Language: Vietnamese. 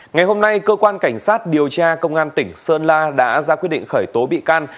ngày hôm nay cơ quan cảnh sát điều tra công an tỉnh sơn la đã ra quyết định khởi tố bị can